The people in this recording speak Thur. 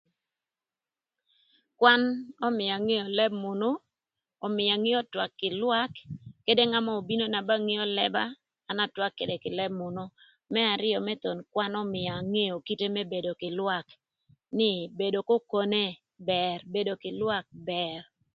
Kwan ömïö angeo lëb münü, ömïa angeö twak kï lwak, këdë ngat mö obino na ba ngeo lëba an atwak këdë kï lëb münü. Më arïö më thon ökwan ömïa angeo kite më bedo kï lwak nï bedo k'okone bër bedo kï lwak bër.